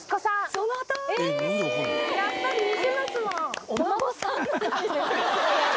やっぱり似てますもん。